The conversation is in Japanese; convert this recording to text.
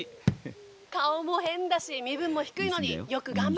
「顔も変だし身分も低いのによく頑張ってるわ」。